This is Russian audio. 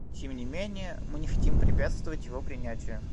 Тем не менее, мы не хотим препятствовать его принятию.